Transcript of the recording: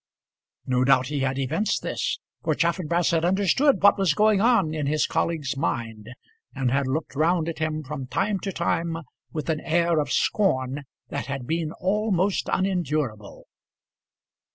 No doubt he had evinced this, for Chaffanbrass had understood what was going on in his colleague's mind, and had looked round at him from time to time with an air of scorn that had been almost unendurable.